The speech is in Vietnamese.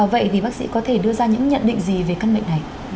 vậy thì bác sĩ có thể đưa ra những nhận định gì về căn bệnh này